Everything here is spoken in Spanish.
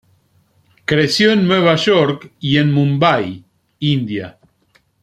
Creció en Nueva York y en Mumbai, India.